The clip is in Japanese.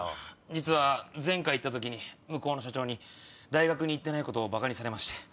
実は前回行った時に向こうの社長に大学に行ってないことをバカにされまして。